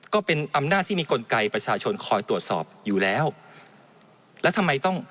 ก็เป็นอำนาจที่มีกลไกประชาชนคอยตรวจสอบอยู่แล้วแล้วทำไมต้อง